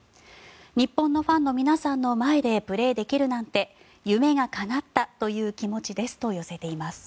日本のファンの皆さんの前でプレーできるなんて夢がかなったという気持ちですと寄せています。